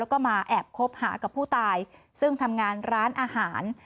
แล้วก็มาแอบคบหากับผู้ตายซึ่งทำงานร้านอาหาร